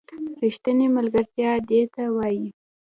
ریښتینې ملگرتیا دې ته وايي